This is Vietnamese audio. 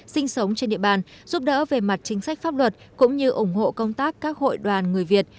sinh sống trên địa bàn giúp đỡ về mặt chính sách pháp luật cũng như ủng hộ công tác các hội đoàn người việt